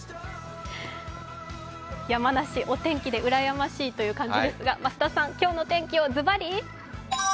山梨、お天気でうらやましいという感じですが増田さん、今日の天気をズバリ？